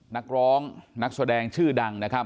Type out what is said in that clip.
นักร้องนักแสดงชื่อดัง